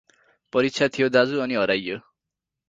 परीक्षा थियो दाजु अनि हराइयो।